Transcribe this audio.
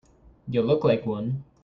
You look like one.